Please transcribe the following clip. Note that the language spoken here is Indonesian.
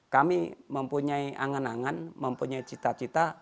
kami mempunyai angan angan mempunyai cita cita